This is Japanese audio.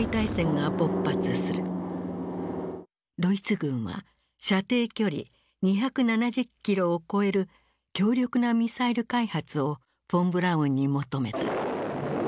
ドイツ軍は射程距離２７０ｋｍを超える強力なミサイル開発をフォン・ブラウンに求めた。